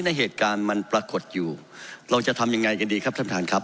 ในเหตุการณ์มันปรากฏอยู่เราจะทำยังไงกันดีครับท่านประธานครับ